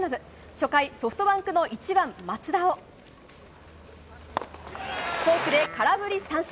初回ソフトバンクの１番、松田をフォークで空振り三振。